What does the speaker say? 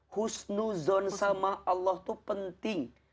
husnuzon sama allah itu penting